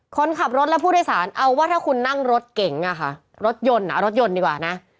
คนขับรถและผู้โดยสารเอาว่าถ้าคุณนั่งรถเก๋งอ่ะค่ะรถยนต์เอารถยนต์ดีกว่านะ